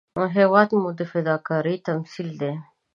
هېواد مو د فداکارۍ تمثیل دی